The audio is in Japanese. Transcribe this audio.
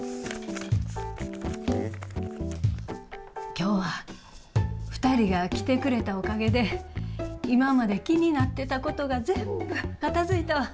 きょうは２人が来てくれたおかげで今まで気になっていたことが全部片づいた。